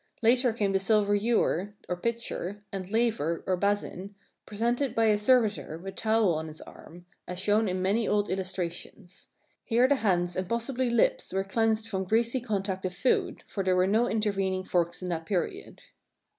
Later came the silver ewer (or pitcher) and laver (or basin), presented by a servitor with towel on his arm, as shown in many old illustrations; here the hands and possibly lips were cleansed from greasy A King at Dinner contact of food, for there were no intervening forks in that period.